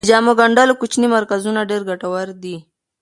د جامو ګنډلو کوچني مرکزونه ډیر ګټور دي.